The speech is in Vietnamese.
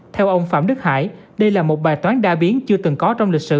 theo ông phạm đức hải đây là một bài toán đa biến chưa từng có trong lịch sử